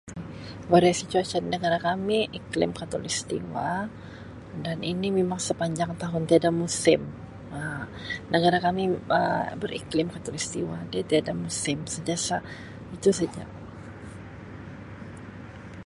Variasi cuaca di negara kami iklim Khatulistiwa dan ini memang sepanjang tahun tiada musim Um negara kami Um beriklim Khatulistiwa dia tiada musim sentiasa itu saja.